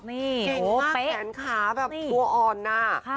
เก่งมากแขนขาแบบตัวอ่อนนะ